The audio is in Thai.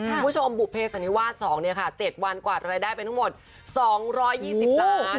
คุณผู้ชมบุภัยสันนิวาส๒เนี่ยค่ะ๗วันกวาดรายได้เป็นทั้งหมด๒๒๐ล้าง